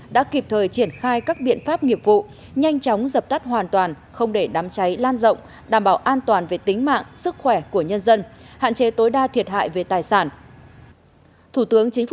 đã kịp thời triển khai các biện pháp nghiệp vụ nhanh chóng dập tắt hoàn toàn không để đám cháy lan rộng đảm bảo an toàn về tính mạng sức khỏe của nhân dân hạn chế tối đa thiệt hại về tài sản